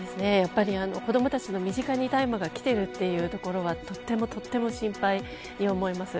子どもたちの身近に、大麻がきているというところがとても心配に思います。